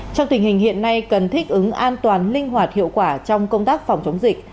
trong tình hình hiện nay cần thích ứng an toàn linh hoạt hiệu quả trong công tác phòng chống dịch